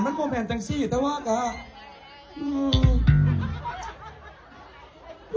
มันไม่มีแมนจังซี่แต่ว่ากับ